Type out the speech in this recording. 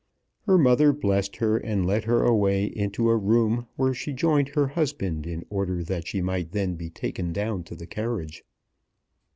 Her mother blessed her, and led her away into a room where she joined her husband in order that she might be then taken down to the carriage.